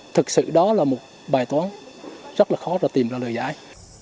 thực sự đó là một bài toán rất là khó để tìm ra lời giải